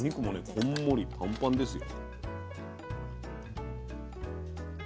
こんもりパンパンですよ。